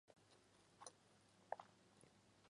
今存有康熙三年宛平于藻庐陵刻本。